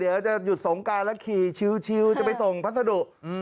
เดี๋ยวจะหยุดสงการแล้วขี่ชิวจะไปส่งพัสดุ